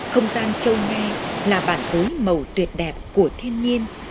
không gian châu me là bản cú màu tuyệt đẹp của thiên nhiên